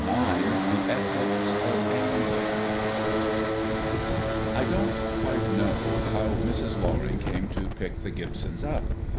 IX THE ETHICS OF ANGLING I don't quite know how Mrs. Loring came to pick the Gibsons up.